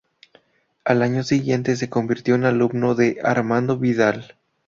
Al año siguiente se convirtió en alumno de Armando Vidal.